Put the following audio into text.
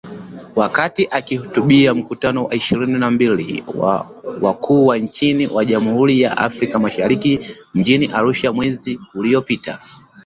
Wakati akihutubia Mkutano wa ishirini na mbili wa Wakuu wa Nchi wa Jumuiya ya Afrika Mashariki mjini Arusha mwezi uliopita.